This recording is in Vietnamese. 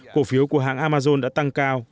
cổ phiếu của hãng amazon đã tăng cao